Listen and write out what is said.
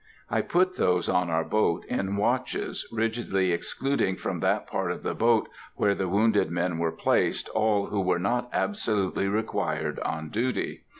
I put those on our boat in watches, rigidly excluding from that part of the boat where the wounded men were placed all who were not absolutely required on duty.